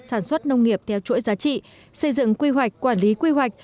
sản xuất nông nghiệp theo chuỗi giá trị xây dựng quy hoạch quản lý quy hoạch